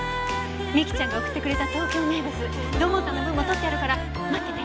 美貴ちゃんが送ってくれた東京名物土門さんの分も取ってあるから待ってて！